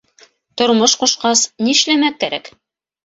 Тормош ҡушҡас, ни эшләмәк кәрәк.